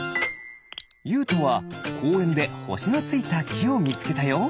ゆうとはこうえんでほしのついたきをみつけたよ。